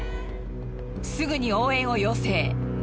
すぐに応援を要請。